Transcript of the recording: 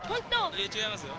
いえ違いますよ。